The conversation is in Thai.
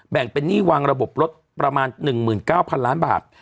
แบ่งเป็นหนี้วางระบบรถประมาณ๑๙๐๐ล้านบาท